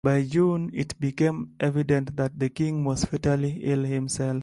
By June it became evident that the King was fatally ill himself.